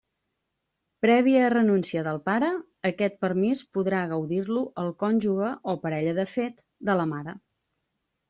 Prèvia renúncia del pare, aquest permís podrà gaudir-lo el cònjuge o parella de fet de la mare.